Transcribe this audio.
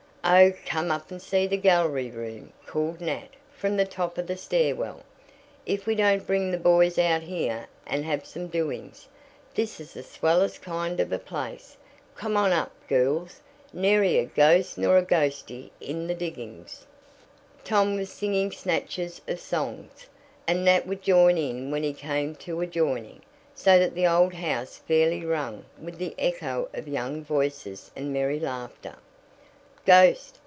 "Oh, come up and see the gallery room," called Nat from the top of the stair well. "If we don't bring the boys out here and have some doings! This is the swellest kind of a place. Come on up, girls. Nary a ghost nor a ghostie in the diggings." Tom was singing snatches of songs, and Nat would join in when he came to a "joining," so that the old house fairly rang with the echo of young voices and merry laughter. Ghost!